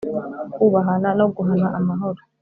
Kubahana no guhana amahoro